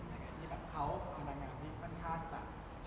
ที่แบบเขาพลังงานที่ค่อนข้างจะ